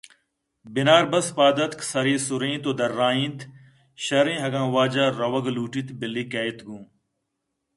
بناربس پاد اتک سرےسُرینت ءُدرّائینت شرّیں اگاں واجہ روگ لوٹیت بلّے کیت گوں